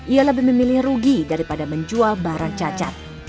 ia lebih memilih rugi daripada menjual barang cacat